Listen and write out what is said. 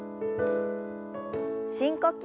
深呼吸。